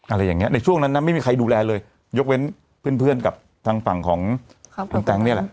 อะไรอย่างเงี้ในช่วงนั้นนะไม่มีใครดูแลเลยยกเว้นเพื่อนกับทางฝั่งของคุณแต๊งนี่แหละ